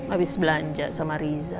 abis belanja sama riza